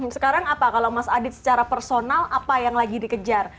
sekarang apa kalau mas adit secara personal apa yang lagi dikejar